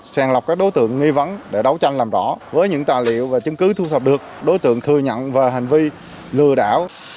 sàng lọc các đối tượng nghi vấn để đấu tranh làm rõ với những tài liệu và chứng cứ thu thập được đối tượng thừa nhận về hành vi lừa đảo